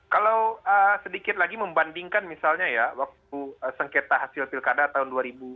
kalau sedikit lagi membandingkan misalnya ya waktu sengketa hasil pilkada tahun dua ribu dua